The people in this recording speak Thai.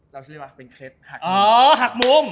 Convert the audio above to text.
เราฉลาดว่าเป็นเคล็ดหักมุม